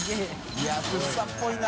いや福生っぽいな。